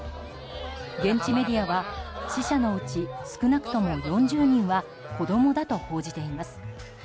現地メディアは死者のうち少なくとも４０人は子供だと報じています。